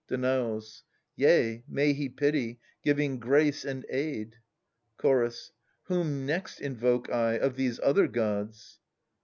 Danaus. Yea, may he pity, giving grace and aid. //^'' Chorus. Whom next invoke I, of these other gods